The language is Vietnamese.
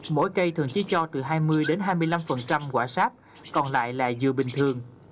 mỗi cây thường chỉ cho từ hai mươi đến hai mươi năm quả sáp còn lại là dừa bình thường